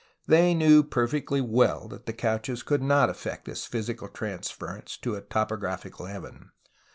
They knew perfectly well that tlie couches could not effect this physical transference to a topographical heaven.